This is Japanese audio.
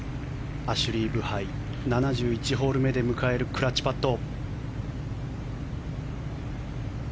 アシュリー・ブハイ７１ホール目で迎えるクラッチパット。